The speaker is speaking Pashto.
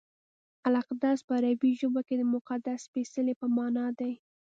القدس په عربي ژبه کې د مقدس سپېڅلي په مانا دی.